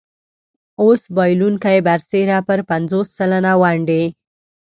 اوس بایلونکی برسېره پر پنځوس سلنه ونډې.